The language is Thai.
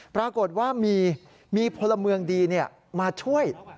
ปรากฏว่ามีมีพลเมืองดีเนี่ยมาช่วย